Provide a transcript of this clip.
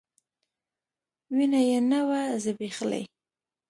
وينه يې نه وه ځبېښلې.